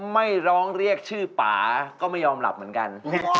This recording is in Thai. ไม่ร้องเรียกชื่อป่าก็ไม่ยอมหลับเหมือนกัน